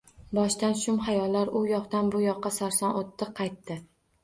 Boshdan shum xayollar u yoqdan bu yoqqa sarson o’tdi, qaytdi